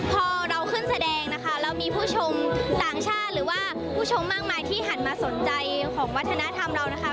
พอเราขึ้นแสดงนะคะเรามีผู้ชมต่างชาติหรือว่าผู้ชมมากมายที่หันมาสนใจของวัฒนธรรมเรานะคะ